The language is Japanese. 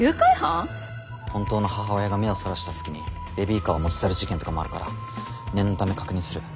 本当の母親が目をそらした隙にベビーカーを持ち去る事件とかもあるから念のため確認する。